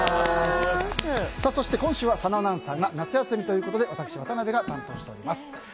そして今週は佐野アナウンサーが夏休みということで私、渡辺が担当しております。